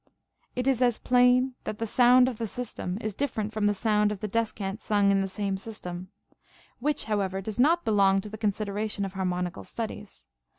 It is as phiin, that the sound of the system is different from the sound of the descant sung in the same system ; which, however, does not belong to the consideration of harmonical studies.